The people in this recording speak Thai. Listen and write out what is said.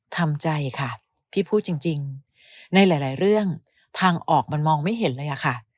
ทำใจค่ะพี่พูดจริงในหลายเรื่องทางออกมันมองไม่เห็นเลยอะค่ะ